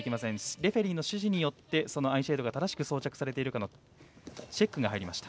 レフェリーの指示によってアイシェードが正しく装着されているかチェックが入りました。